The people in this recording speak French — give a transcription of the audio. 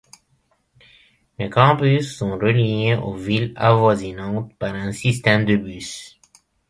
Le campus sont reliés aux villes avoisinantes par un système de bus.